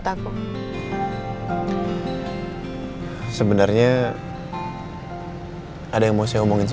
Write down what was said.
takut bertahan nikah sama aku ya